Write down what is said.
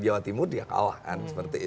jawa timur dia kalahkan